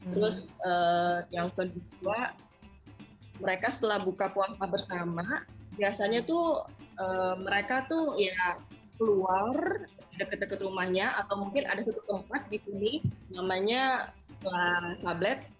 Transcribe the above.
terus yang kedua mereka setelah buka puasa bersama biasanya tuh mereka tuh ya keluar deket deket rumahnya atau mungkin ada satu tempat di sini namanya tablet